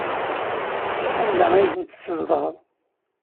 Anda ay tent-teszedɣeḍ?